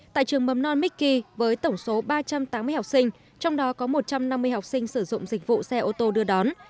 tại trường mầm non mickee với tổng số ba trăm tám mươi học sinh trong đó có một trăm năm mươi học sinh sử dụng dịch vụ xe ô tô đưa đón